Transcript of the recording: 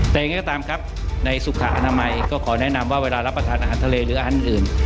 แต่ยังไงก็ตามครับในสุขอนามัยก็ขอแนะนำว่าเวลารับประทานอาหารทะเลหรืออาหารอื่น